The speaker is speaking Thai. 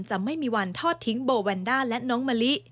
จะไม่มีวันทอดทิ้งโบแวนด้าและน้องมะลิ